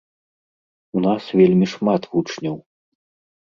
У нас вельмі шмат вучняў.